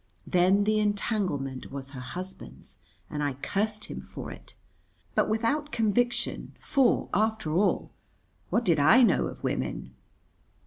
Then the entanglement was her husband's, and I cursed him for it. But without conviction, for, after all, what did I know of women?